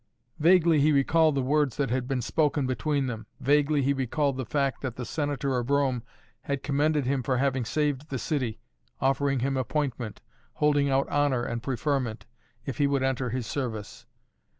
Vaguely he recalled the words that had been spoken between them, vaguely he recalled the fact that the Senator of Rome had commended him for having saved the city, offering him appointment, holding out honor and preferment, if he would enter his service.